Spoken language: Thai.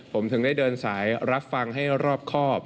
ผมถึงได้เดินสายรับฟังให้รอบครอบ